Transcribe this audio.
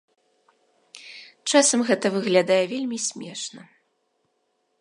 Часам гэта выглядае вельмі смешна.